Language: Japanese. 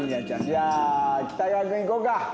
じゃあ北川君いこうか。